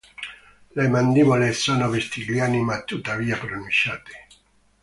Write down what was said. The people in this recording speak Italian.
Le mandibole sono vestigiali ma tuttavia pronunciate.